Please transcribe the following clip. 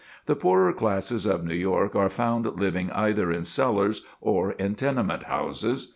The poorer classes of New York are found living either in cellars or in tenement houses.